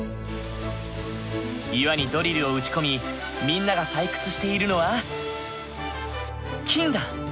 岩にドリルを打ち込みみんなが採掘しているのは金だ！